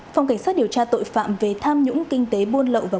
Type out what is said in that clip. phòng cảnh sát điều tra tội phạm về tham nhũng kinh tế bộ công an